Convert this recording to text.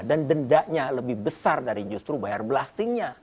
dan dendanya lebih besar dari justru bayar belastingnya